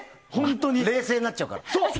冷静になっちゃうから。